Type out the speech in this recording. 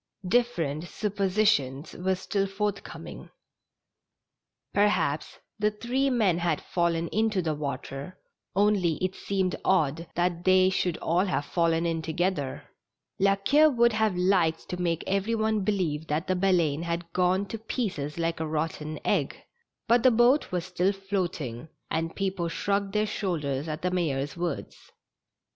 Different suppositions were still forthcoming. Per haps the three men had fallen into the water, only it seemed odd that they should all have fallen in together. La Queue would have liked to make every one believe that the Baleine had gone to pieces like a rotten egg, but the boat was still floating, and people shrugged their shoulders at the mayor's words.